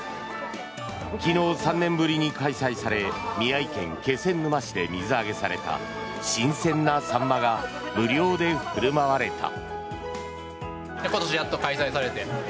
昨日、３年ぶりに開催され宮城県気仙沼市で水揚げされた新鮮なサンマが無料で振る舞われた。